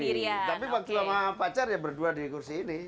tapi waktu sama pacar ya berdua di kursi ini